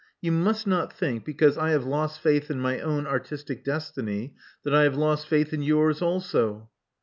You must not think, because I have lost faith in my own artistic destiny, that I have lost faith in yours also.